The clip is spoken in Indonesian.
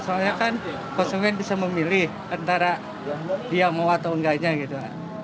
soalnya kan konsumen bisa memilih antara dia mau atau enggaknya gitu